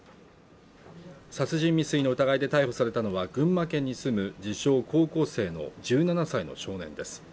殺人未遂の疑いで逮捕されたのは群馬県に住む自称・高校生の１７歳の少年です